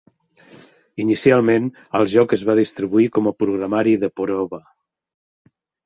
Inicialment, el joc es va distribuir com a programari de prova.